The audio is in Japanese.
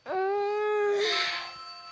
うん。